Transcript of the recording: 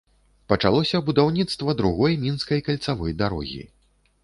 Пачалося будаўніцтва другой мінскай кальцавой дарогі.